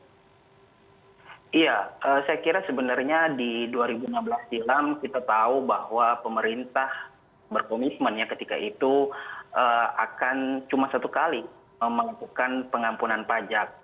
iya saya kira sebenarnya di dua ribu enam belas silam kita tahu bahwa pemerintah berkomitmen ya ketika itu akan cuma satu kali melakukan pengampunan pajak